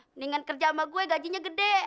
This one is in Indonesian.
mendingan kerja sama gue gajinya gede